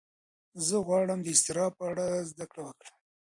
زه غواړم د اضطراب په اړه زده کړه وکړم.